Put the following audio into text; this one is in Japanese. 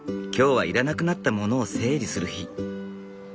今日は要らなくなったものを整理する日。